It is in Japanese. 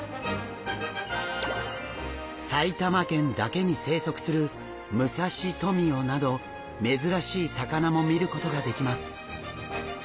埼玉県だけに生息するムサシトミヨなど珍しい魚も見ることができます。